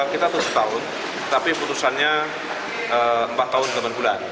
kita tuh setahun tapi putusannya empat tahun delapan bulan